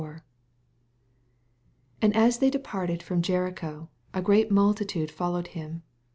29 And as they departed A orn Je richo, a great multitude followed him.